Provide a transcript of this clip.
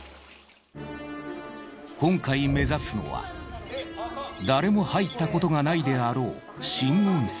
今回目指すのは誰も入ったことがないであろう新温泉。